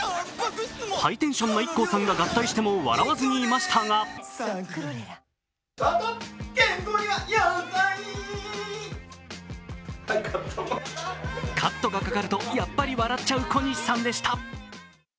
ハイテンションなＩＫＫＯさんが合体しても笑わずにいましたがカットがかかるとやっぱり笑っちゃう小西さんでした。